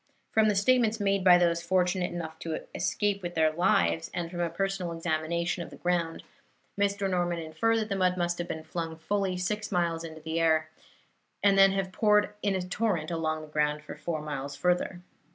From the statements made by those fortunate enough to escape with their lives, and from a personal examination of the ground, Mr. Norman inferred that the mud must have been flung fully six miles through the air and then have poured in a torrent along the ground for four miles further.